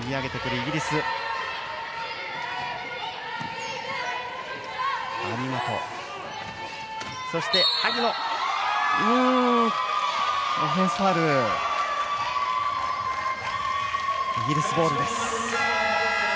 イギリスボールです。